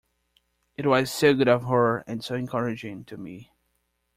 It was so good of her, and so encouraging to me!